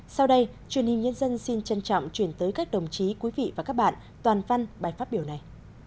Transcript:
sau đây truyền hình nhân dân xin trân trọng chuyển tới các đồng chí quý vị và các bạn toàn văn bài phát biểu này